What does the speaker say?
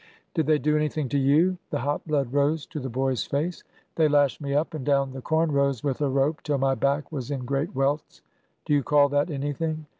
" Did they do anything to you ?" The hot blood rose to the boy's face. '' They lashed me up and down the corn rows, with a rope, till my back was in great welts ! Do you call that anything?